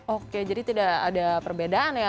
oke jadi tidak ada perbedaan ya